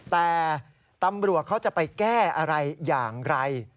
แต่ตำรวจเขาจะไปแก้อะไรอย่างไร